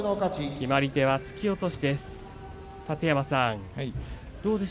決まり手は突き落としです。